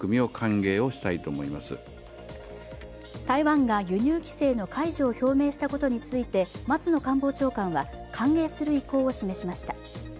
台湾が輸入規制の解除を表明したことについて松野官房長官は、歓迎する意向を示しました。